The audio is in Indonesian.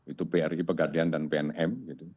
itu bri pegadian dan pnm